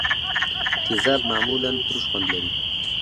تیزاب معمولا ترش خوند لري.